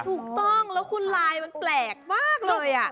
ถูกต้องแล้วคุณลายมันแปลกมากเลย